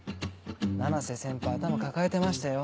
七瀬先輩頭抱えてましたよ。